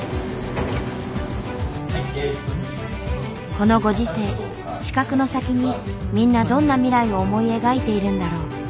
このご時世資格の先にみんなどんな未来を思い描いているんだろう？